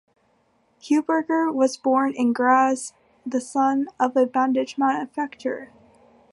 Heuberger was born in Graz, the son of a bandage manufacturer.